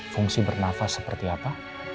fungsi bernafas seperti apa